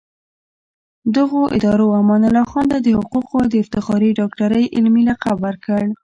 دغو ادارو امان الله خان ته د حقوقو د افتخاري ډاکټرۍ علمي لقب ورکړ.